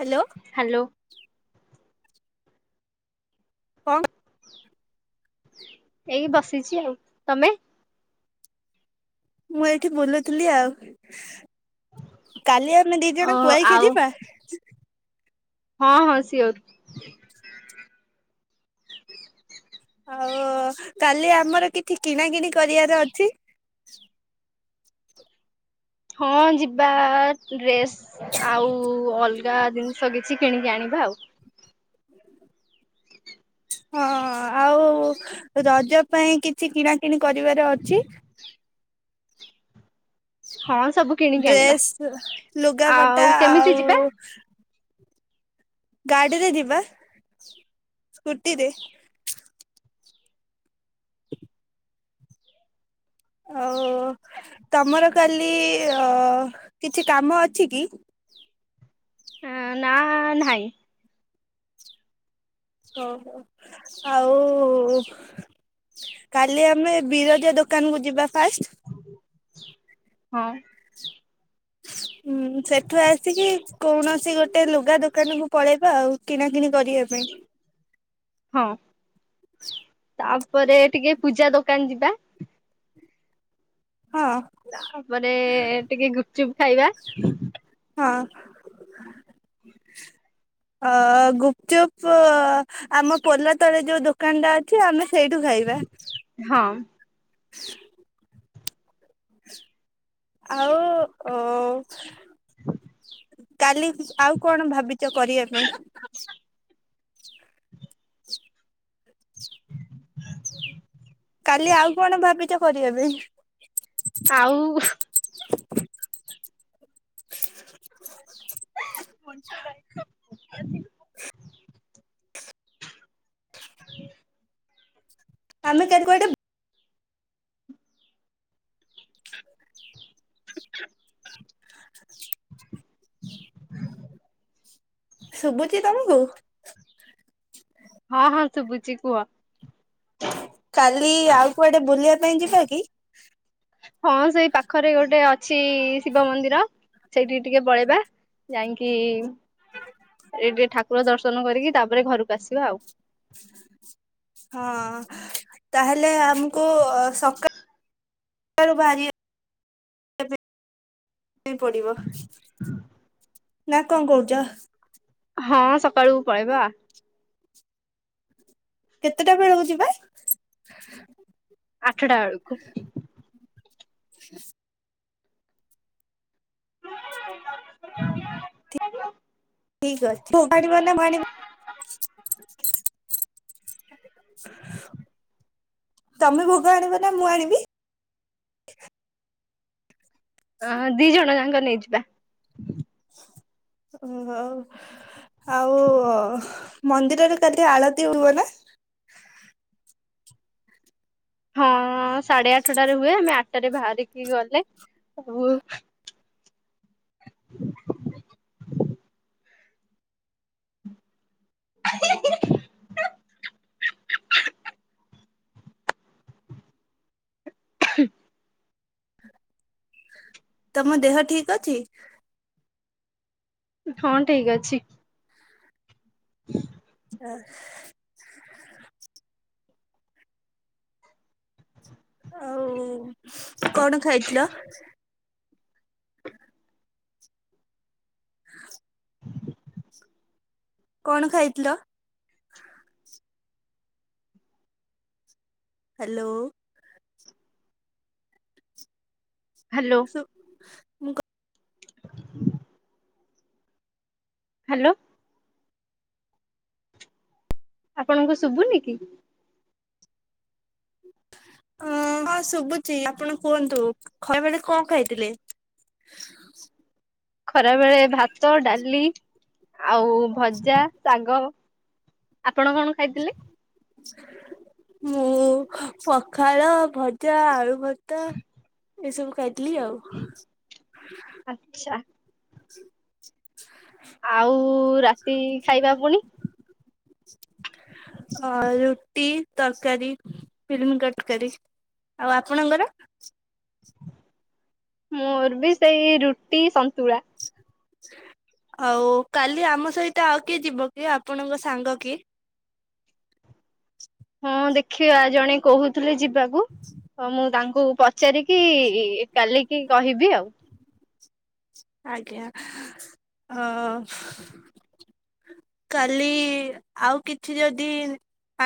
Hello. Hello. କଣ? ଏଇ ବସିଚି ଆଉ, ତମେ? ମୁଁ ଏଇଠି ବୁଲୁଥିଲି ଆଉ କାଲି ଆମେ ଦି ଓ ଜଣ କୁଆଖିଆ ଆଉ ଯିବା? ହଁ ହଁ ଶିଓର। ଆଉ କାଲି ଆମର କିଥି କିଣା କିିଣି କରିବାର ଅଛି? ହଁ ଯିବା ଆ ଡ୍ରେସ୍ ଆଉ ଅଲଗା ଜିନିଷ କିଛି କିଣିକି ଆଣିବା ଆଉ। ହଁ ଆଉ ରଜ ପାଇଁ କିଛି କିଣାକିଣି କରିବାର ଅଛି। ହଁ ସବୁ। କିଣିକି ଆଣିବା ଡ୍ରେସ୍ ଲୁଗା ଆଉ ପଟା କେମିତି ଆଉ ଯିବା ଗାଡ଼ିରେ ଯିବା ସ୍କୁୁଟି ରେ। ଆଉ ତମର କାଲି ଅ କିଛି କାମ ଅଛି କି? ନା ନାହିଁ। ଓହୋ ଆଉ କାଲି ଆମେ ବିରଜା ଦୋକାନ କୁ ଯିବା ଫାଷ୍ଟ ହଁ ହୁଁ ସେଠୁ ଆସିକି କୌଣସି ଗୋଟେ ଲୁଗା ଦୋକାନକୁ ପଳେଇବା ଆଉ କିଣାକିଣି କରିବା ପାଇଁ। ହଁ [unintelligible] ତାପରେ ଟିକେ ପୂଜା ଦୋକାନ ଯିବା। ହଁ ତାପରେ ଟିକେ ଗୁପଚୁପ ଖାଇବା। ହଁଅଁ ଅ ଗୁପଚୁପ ଅ। ଆମ ପୋଲ ତଳେ ଯୋଉ ଦୋକାନ ଟା ଅଛି। ଆମେ ସେଇଠୁ ଖାଇବା। ହଁ ଆଉ ଅ କାଲି ଆଉ କଣ ଭାବିଚ କରିବା ପାଇଁ କା [unintelligible] କାଲି ଆଉ କଣ ଭାବିଛ କରିବା ପାଇଁ। ଆଉ ହୁ ମୁାଇ [unintelligible] ହ [unintelligible] ଆମେ କେ କୁଆଡେ? [unintelligible] ଛବି ବବ। [unintelligible] ଶୁଭୁଚି ତମକୁ, ହଁ ହଁ ଶୁଭୁଚି କୁହ। କାଲି ଆଉ କୁଆଡେ ବୁଲିବା ପାଇଁ ଯିବା କି? ହଁ ସେଇ ପାଖରେ ଗୋଟେ ଅଛି ଶିବ ମନ୍ଦିର ସେଇଠିକି ଟିକେ ପଳେଇବା। ଯାଇକି, ଏ ଟିକେ ଠାକୁର ଦର୍ଶନ କରିକି ତାପରେ ଘରକୁ ଆସିବା ଆଉ। ହଁ ତାହେଲେ ଆମକୁ ସକା ସକା ଲୁ [unintelligible] ପଡିବ ନା କଣ କହୁଛ? ହଁ ସକାଳୁକୁ ପଳେଇବା। କେତେଟା ବେଳକୁ ଯିବା? ଆଠଡଟା ବେଳକୁ। ହାଲୋ ଠିକ ଅଛିାଣିିବ ନା ଭଣି [unintelligible] ତମେ ଭୋଗ ଆଣିବ ନା ମୁଁ ଆଣିବି? ଅହଁ ଦି ଜଣ ଯାଙ୍କ ନେଇଯିବା। ହଉ ଆଉ ମନ୍ଦିରରେ କାଲି ଆଳତି ହବ ନା? ହଁ ଅଁ ସାଢେ ଆଠଟାରେ ହୁଏ ଆମେ ଆଠଟା ରେ ବାହାରିକି ଗଲେ [unintelligible] ହଁ [unintelligible] ତମ ଦେହ ଠିକ ଅଛି? ହଁ ଠିକ ଅଛି। [unintelligible] ହଁ ଆଉ କଣ ଖାଇଥିଲ? ହଁ କଣ ଖାଇଥିଲ? ହ୍ୟାଲୋ। ହ୍ୟାଲୋ। ମୁଁ ହ୍ୟାଲୋ। ଆପଣଙ୍କୁ ଶୁଭୁନି କି? ହଁ ହଁ, ଶୁଭୁଛି ଆପଣ କୁହନ୍ତୁ? ଖରାବେଳେ କଣ ଖାଇଥିଲେ? ଖରା ବେଳେ ଭାତ, ଡାଲି, ଆଉ ଭଜା ଶାଗ। ଆପଣ କଣ ଖାଇଥିଲେ? ମୁଁ ପଖାଳ, ଭଜା ଆଳୁ ଭର୍ତା। ଏସବୁ ଖାଇଥିଲି ଆଉ। ଆଚ୍ଛା। ଆଉ ରାତି ଖାଇବା ପୁଣି? ଅ ରୁଟି, ତରକାରୀ। [unintelligible] ଆଉ ଆପଣଙ୍କର? ମୋର ବି ସେଇ ରୁଟି ସନ୍ତୁଳା। ଆଉ କାଲି ଆମ ସହିତ ଆଉ କିଏ ଯିବ କି? ଆପଣଙ୍କ ସାଙ୍ଗ କିଏ? ହଁ ଦେଖିବା ଜଣେ କହୁଥିଲେ ଯିବାକୁ। ମୁଁ ତାଙ୍କୁ ପ ପଚାରିକି କାଲିକି କହିବି ଆଉ। ଆଜ୍ଞା। କାଲି ଆଉ କିଛି ଯଦି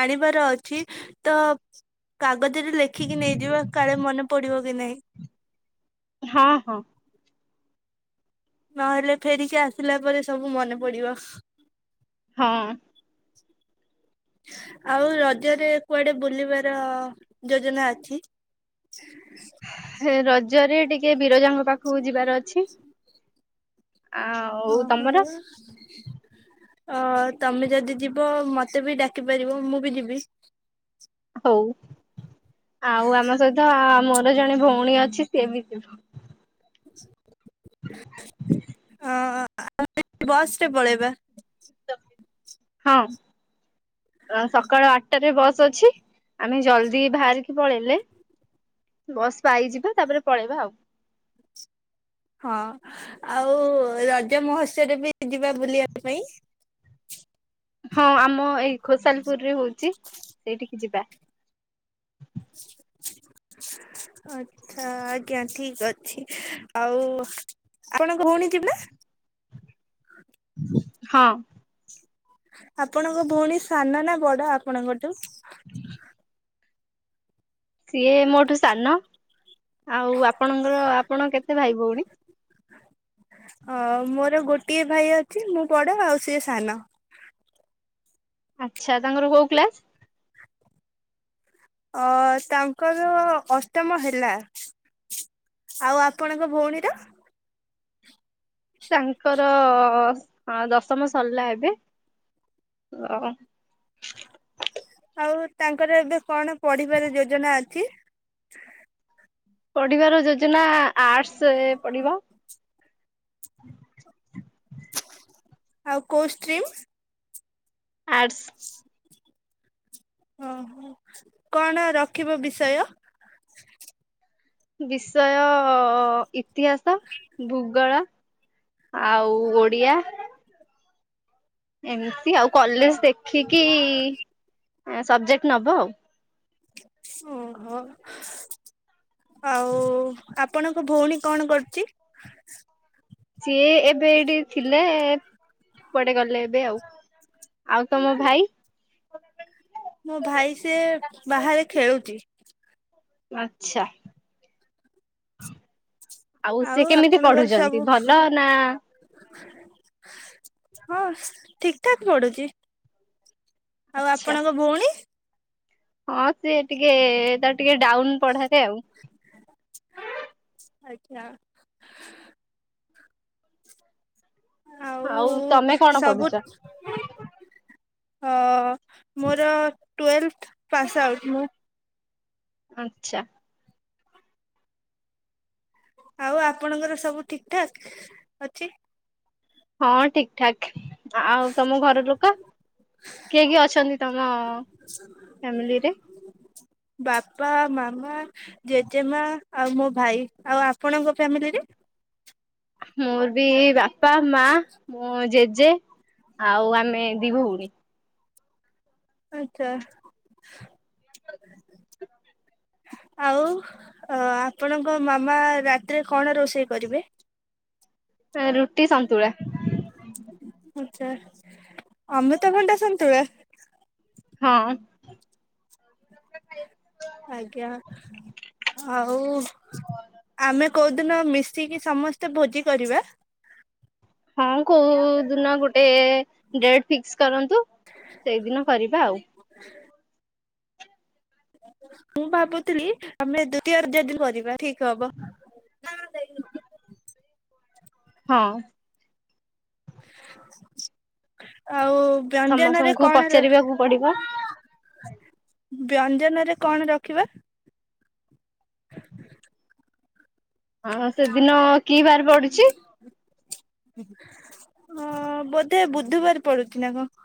ଆଣିବାର ଅଛି ତ କାଗଜରେ ଲେଖିକି ନେଇଯିବା, କାଳେ ମନେ ପଡିବ କି ନାହିଁ? ହଁ ହଁ। ନହେଲେ ଫେରିକି ଆସିଲା ପରେ ସବୁ ମନେ ପଡିବ। ହଁ। ଆଉ ରଜରେ କୁଆଡେ ବୁଲିବାର ଯୋଜନା ଅଛି? [inaudible] ରଜରେ ଟିକେ ବିରଜାଙ୍କ ପାଖକୁ ଯିବାର ଅଛି। ଅ ଆଉ ହ। ତମର ଅ ତମେ ଯଦି ଯିବ ମତେ ବି ଡାକି ପାରିବ ମୁଁ ବି ଯିବି। ହଉ ଆଉ ଆମ ସହିତ ଆ ମୋର ଜଣେ ଭଉଣୀ ଅଛି ସିଏ ବି ଯିବ। ହଁ ଆମେ ବସରେ ପଳେଇବା। ହଁ ଅ ସକାଳ ଆଠଟାରେ ବସ୍ ଅଛି। ଆମେ ଜଲଦି ବାହାରିକି ପଳେଇଲେ ବସ୍ ପାଇଯିବା, ତାପରେ ପଳେଇବା ଆଉ। ହଁ ଆଉ ରଜ ମହୋତ୍ସବ ବି ଯିବା ବୁଲିବା ପାଇଁ। ହଁ ଆମ ଏଇ ଖୋସାଲପୁର ରେ ହଉଚି ସେଇଠିକି ଯିବା। [inaudible] ଆଚ୍ଛା ଆଜ୍ଞା ଠିକ ଅଛି ଆଉ ଆପଣଙ୍କ ଭଉଣୀ କି ନା ହଁ। ଆପଣଙ୍କ ଭଉଣୀ ସାନ ନା ବଡ ଆପଣଙ୍କଠୁ। [inaudible] ସିଏ ମୋ ଠୁ ସାନ ଆଉ ଆପଣଙ୍କର ଆପଣ କେତେ ଭାଇ ଭଉଣୀ? ହଁ ମୋର ଗୋଟିଏ ଭାଇ ଅଛି ମୁଁ ବଡ ଆଉ ସିଏ ସାନ। ଆଚ୍ଛା ତାଙ୍କର କୋଉ କ୍ଲାସ୍। ଅ ତାଙ୍କର ଅଷ୍ଟମ ହେଲା। ଆଉ ଆପଣଙ୍କ ଭଉଣୀର? ତାଙ୍କର ଅ ଅ ଅ ଦଶମ ସରିଲା ଏବେ ଅ ଅ ଆଉ ତାଙ୍କର ଏବେ କଣ ପଢ଼ିବାରେ ଯୋଜନା ଅଛି। ପଢିବାର ଯୋଜନା ଆର୍ଟସେ ପଢିବ। ଆଉ କୋଉ ଷ୍ଟ୍ରିମ୍? ଆର୍ଟସ୍। [inaudible] ଓହୋ କଣ ରଖିବ ବିଷୟ? ବିଷୟ ଇତିହାସ ଭୂଗୋଳ ଆଉ ଓଡିଆ। ଏମିତି ଆଉ କଲେଜ ଦେଖିକି ଏଁ ସବଜେକ୍ଟ ନବ ଆଉ। ଓହୋ ଆଉ ଆପ ଆପଣଙ୍କ ଭଉଣୀ କଣ କରୁଚି? ସିଏ ଏବେ ଏଇଠି ଥିଲେ କୁଆଡେ ଗଲେ ଏବେ ଆଉ। ଆଉ ତମ ଭାଇ? ମୋ ଭାଇ ସିଏ ବାହାରେ ଖେଳୁଚି। ଆଚ୍ଛା। ଆଉ ସିଏ କେମିତି ଆପଣଙ୍କର ସବୁ ପଢୁଛନ୍ତି ଭଲ ନା ହଁ ଠିକ ଠାକ୍ ପଡୁଚି। ଆଉ ଆଚ୍ଛା ଆପଣଙ୍କ ଭଉଣୀ? ହଁ ସିଏ ଟିକେ ତାର ଟିକେ ଡାଉନ ପଢାରେ ଆଉ। ଆଜ୍ଞା। ଆଉ ତମେ କଣ ପଢୁଚ? ହଁ ମୋର ଟୁଏଲଥ ପାସ୍ ଆଉଟ୍ ମୁଁ। ଆଚ୍ଛା। ଆଉ ଆପଣଙ୍କର ସବୁ ଠିକ୍ ଠାକ୍ ଅଛି। ହଁ ଠିକ ଠାକ। ଆଉ ତମ ଘର ଲୋକ କିଏ କିଏ ଅଛନ୍ତି ତମ ଫ୍ୟାମିଲିରେ? ବାପା ମାମା ଜେଜେମା ଆଉ ମୋ ଭାଇ ଆଉ ଆପଣଙ୍କ ଫ୍ୟାମିଲିରେ? ମୋର ବି ବାପା ମା ମୋ ଜେଜେ ଆଉ ଆମେ ଦି ଭଉଣୀ। ଆଚ୍ଛା। ଆଉ ଆପଣଙ୍କ ମାମା ରାତିରେ କଣ ରୋଷେଇ କରିବେ? ରୁଟି, ସନ୍ତୁଳା। ସଞ୍ଚୁଳା। ଅମୃତା ଭଣ୍ଡା ସନ୍ତୁଳା। ହଁ। ଆଜ୍ଞା। ଆଉ ଆମେ କୋଉଦିନ ମିଶିକି ସମସ୍ତେ ଭୋଜି କରିବା। ହଁ କୋଉ ଦିନ ଗୋଟେ ଡେଟ୍ ଫିକ୍ସ କରୁନ୍ତ, ସେଇଦିନ କରିବା ଆଉ। ମୁଁ ଭାବୁଥିଲି ଆମେ [unintelligible] କରିବା ଠିକ୍ ହବ। ହଁ। ଆଉ ବ୍ୟଞ୍ଜନରେ ସମସ୍ତଙ୍କୁ କଣ ର ପଚାରିବାକୁ ପଡିବ ବ୍ୟଞ୍ଜନରେ କଣ ରଖିବା? ହଁ-ହଁ ସେଦିନ କି ବାରେ ପଡୁଛି? ଅ ବୋଧେ ବୁଧବାର ପଡୁଚି ନା କଣ।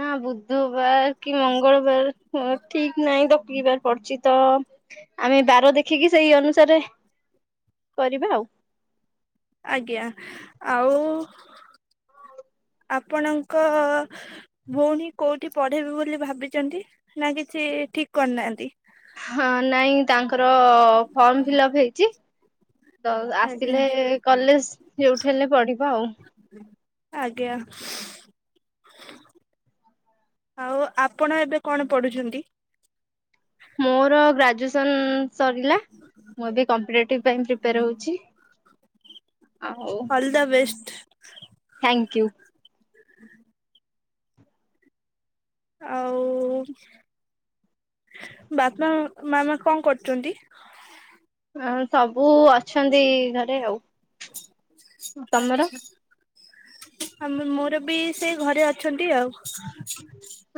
ନା ବୁଧବାର କି ମଙ୍ଗଳବାର ହଁ ଠିକ୍ ନାହିଁ ତ କିବାର ପଡଚି ତ ଆମେ ବାର ଦେଖିକି ସେଇ ଅନୁସାରେ କରିବା ଆଉ। ଆଜ୍ଞା ଆଉ ଆପଣଙ୍କ ଭଉଣୀ କୋଉଠି ପଢେଇବେ ବୋଲି ଭାବିଛନ୍ତି ନା କିଛି ଠିକ୍ କରିନାହାନ୍ତି? ହଁ ନାଇଁ ତାଙ୍କର ଫର୍ମ ଫିଲ୍ଅପ୍ ହେଇଚି। ତ ଆଜ୍ଞା ଆସିଲେ କଲେଜ୍ ଯୋଉଠି ହେଲେ ପଢିବ ଆଉ। ଆଜ୍ଞା। ଆଉ ଆପଣ ଏବେ କଣ ପଢୁଛନ୍ତି? ମୋର ଗ୍ରାଜୁଏସନ୍ ସରିଲା ମୁଁ ଏବେ କମ୍ପଟେଟିବ ପାଇଁ ପ୍ରିପେୟାର ହଉଛି, ଆଉ all the best thank you. ଆଉ ବାପା ମାମା କଣ କରୁଚନ୍ତି? ହଁ ସବୁ ଅଛନ୍ତି ଘରେ ଆଉ। ତମର ଆଚ୍ଛା। ଆମେ ମୋର ବି ସେଇ ଘରେ ଅଛନ୍ତି ଆଉ।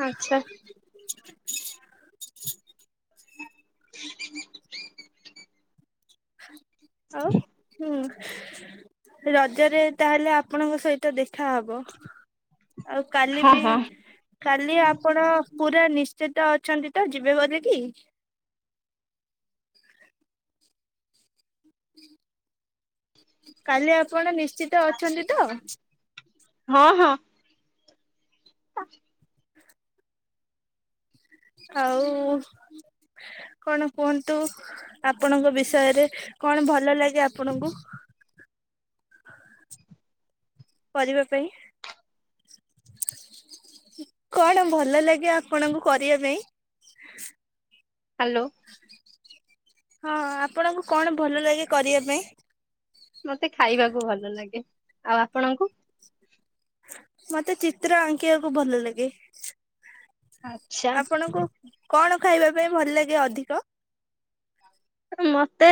ଆଚ୍ଛା। ଆଉ ହୁଁ। ରଜରେ ତାହେଲେ ଆପଣଙ୍କ ସହିତ ଦେଖା ହବ। ଆଉ କାଲି ହଁ ବି ହଁ କାଲି ଆପଣ ପୁରା ନିଶ୍ଚିତ ଅଛନ୍ତି ତ ଯିବେ ବୋଲି କି? କାଲି ଆପଣ ନିଶ୍ଚିତ ଅଛନ୍ତି ତ? ହଁ-ହଁ। ପା। ଆଉ କଣ କୁହନ୍ତୁ ଆପଣଙ୍କ ବିଷୟରେ କଣ ଭଲ ଲାଗେ ଆପଣଙ୍କୁ? କରିବା ପାଇଁ। କଣ ଭଲ ଲାଗେ ଆପଣଙ୍କୁ କରିଆ ପାଇଁ? ହାଲୋ? ହଁ ଆପଣଙ୍କୁ କଣ ଭଲ ଲାଗେ କରିଆ ପାଇଁ? ମତେ ଖାଇବାକୁ ଭଲ ଲାଗେ, ଆଉ ଆପଣଙ୍କୁ? ମତେ ଚିତ୍ର ଆଙ୍କିବାକୁ ଭଲ ଲାଗେ, ଆଚ୍ଛା ଆପଣଙ୍କୁ? କଣ ଖାଇବା ପାଇଁ ଭଲ ଲାଗେ ଅଧିକ? ମତେ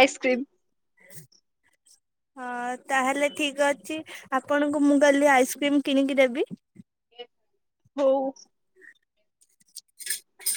ଆଇସ୍କ୍ରିମ୍। [inaudible] ହଁ ତାହେଲେ ଠିକ ଅଛି ଆପଣଙ୍କୁ ମୁଁ କାଲି ଆଇସ୍କ୍ରିମ୍ କିଣିକି ଦେବି ହଉ। [inaudible]